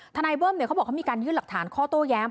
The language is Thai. นายเบิ้มเขาบอกเขามีการยื่นหลักฐานข้อโต้แย้ง